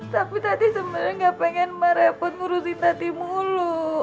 tapi tati sebenarnya gak pengen emak repot ngurusin tati mulu